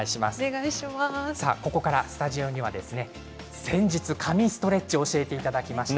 ここからスタジオには先日、神ストレッチを教えていただきました